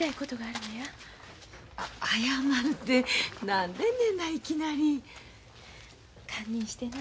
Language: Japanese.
謝るて何でんねんないきなり。堪忍してな。